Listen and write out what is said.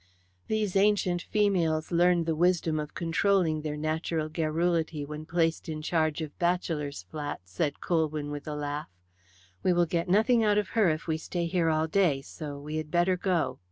"These ancient females learn the wisdom of controlling their natural garrulity when placed in charge of bachelors' flats," said Colwyn with a laugh. "We will get nothing out of her if we stay here all day, so we had better go."